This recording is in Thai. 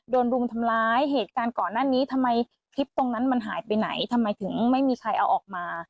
รุมทำร้ายเหตุการณ์ก่อนหน้านี้ทำไมคลิปตรงนั้นมันหายไปไหนทำไมถึงไม่มีใครเอาออกมา